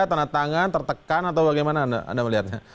tanda tangan tertekan atau bagaimana anda melihatnya